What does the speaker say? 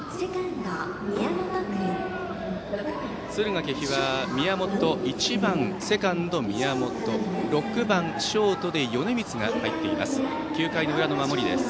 敦賀気比は１番セカンド、宮本６番ショートで米満が入っています。